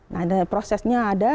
nah ada prosesnya ada